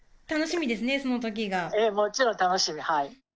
ええ、もちろん楽しみ。